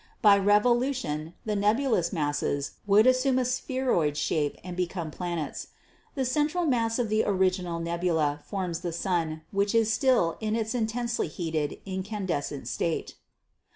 By revolution the nebulous masses would assume a spheroidal shape and become planets. The central mass of the original nebula forms the sun, which is still in an intensely heated, incandescent state."